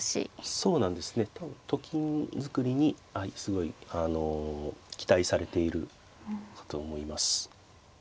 そうなんですね。と金作りにすごいあの期待されているかと思います。